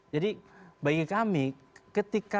jadi bagi kami ketika